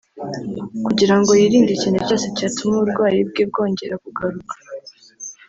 kugira ngo yirinde ikintu cyose cyatuma uburwayi bwe bwongera kugaruka